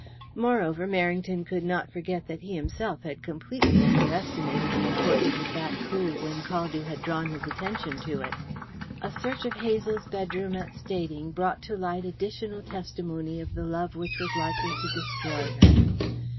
Moreover, Merrington could not forget that he himself had completely underestimated the importance of that clue when Caldew had drawn his attention to it. A search of Hazel's bedroom at Stading brought to light additional testimony of the love which was likely to destroy her.